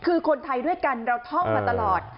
คือคนไทยด้วยกันเราท่องมาตลอด